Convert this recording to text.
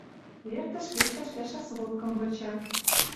Эртӹш кечӓш пӓшӓ сводкым выча: